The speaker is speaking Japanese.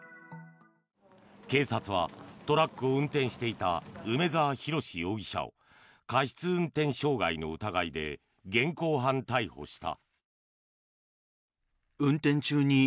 警察はトラックを運転していた梅沢洋容疑者を過失運転傷害の疑いで現行犯逮捕した。